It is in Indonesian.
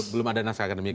belum ada naskah akademiknya